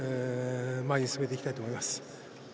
前に進めていきたいと思います。